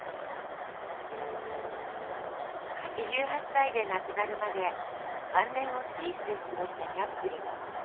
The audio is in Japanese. ８８歳で亡くなるまで晩年をスイスで過ごしたチャップリン。